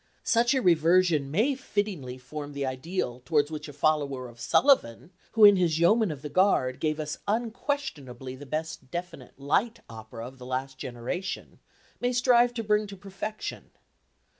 Such a reversion may fittingly form the ideal towards which a follower of Sullivan who in his Yeomen of the Guard gave us unquestionably the best definite "light" opera of the last generation may strive to bring to perfection.